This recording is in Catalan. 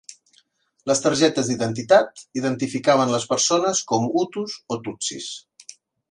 Les targetes d'identitat identificaven les persones com hutus o tutsis.